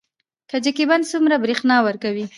کجکي بند څومره بریښنا ورکوي؟